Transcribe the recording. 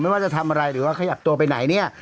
ไม่ว่าจะทำอะไรหรือว่าขยับตัวไปไหนเนี่ย